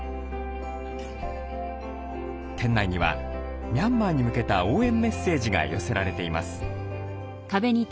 店内にはミャンマーに向けた応援メッセージが寄せられています。